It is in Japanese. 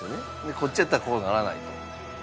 こっちやったらこうならないと。